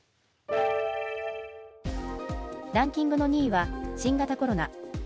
ランキングの２位は、新型コロナ。